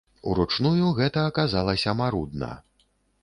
Уручную гэта аказалася марудна.